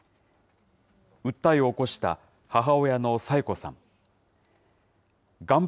訴えを起こした母親の佐永子さん。